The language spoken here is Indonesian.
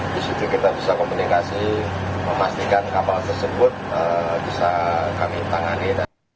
di situ kita bisa komunikasi memastikan kapal tersebut bisa kami tangani